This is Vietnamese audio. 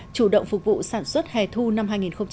chủ động phục vụ sản xuất hẻ thu năm hai nghìn một mươi tám